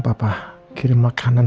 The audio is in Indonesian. papah kirim makanan